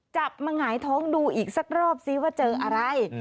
จับมาหงายท้องดูอีกสักรอบซิว่าเจออะไร